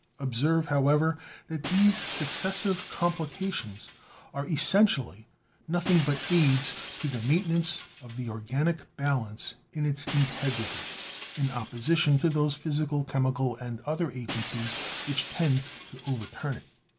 "Observe, however, that these successive complications are essentially nothing but aids to the maintenance of the organic balance in its integrity, in opposition to those physical, chemical and other agencies which tend to over turn it.